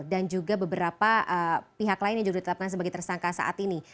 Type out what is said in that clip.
dan juga beberapa pihak lain yang juga ditetapkan sebagai tersangka saat ini